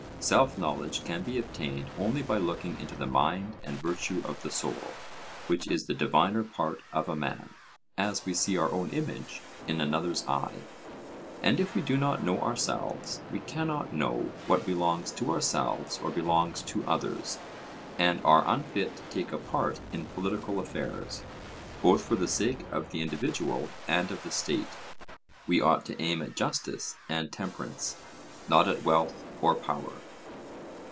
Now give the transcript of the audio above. Self knowledge can be obtained only by looking into the mind and virtue of the soul, which is the diviner part of a man, as we see our own image in another's eye. And if we do not know ourselves, we cannot know what belongs to ourselves or belongs to others, and are unfit to take a part in political affairs. Both for the sake of the individual and of the state, we ought to aim at justice and temperance, not at wealth or power.